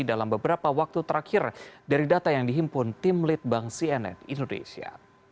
dalam beberapa waktu terakhir dari data yang dihimpun tim litbang cnn indonesia